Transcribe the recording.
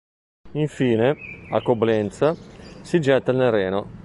Infine, a Coblenza, si getta nel Reno.